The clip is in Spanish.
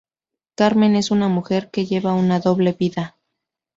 Carmen es una mujer que lleva una "doble vida".